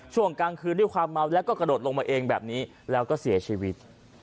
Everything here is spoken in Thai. ช่วงกลางคืนด้วยความเมาแล้วก็กระโดดลงมาเองแบบนี้แล้วก็เสียชีวิต